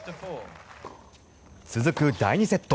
続く第２セット。